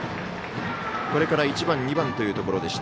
これから１番、２番というところ。